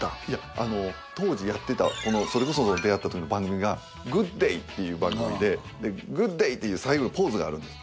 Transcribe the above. あの当時やってたそれこそ出会ったときの番組が「グッデイ」っていう番組でグッデイっていう最後のポーズがあるんです。